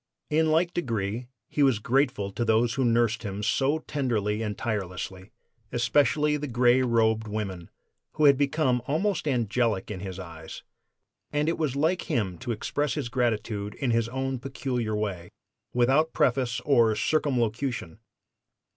In like degree he was grateful to those who nursed him so tenderly and tirelessly, especially the gray robed woman, who had become almost angelic in his eyes; and it was like him to express his gratitude in his own peculiar way, without preface or circumlocution.